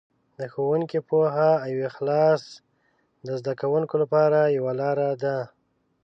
د ښوونکي پوهه او اخلاص د زده کوونکو لپاره یوه لاره ده.